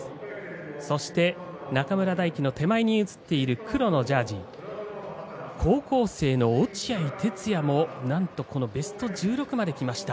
そして中村泰輝の手前に映っている黒のジャージ高校生の落合哲也もなんとこのベスト１６まできました。